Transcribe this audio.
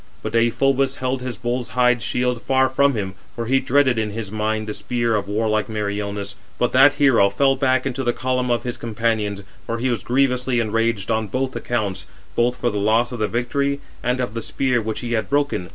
But Deïphobus held his bull's hide shield far from him, for he dreaded in his mind the spear of warlike Meriones; but that hero fell back into the column of his companions, for he was grievously enraged on both accounts, both for [the loss] of the victory, and of the spear which he had broken.